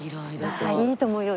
いいと思うよ